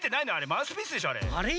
マウスピースでしょあれ。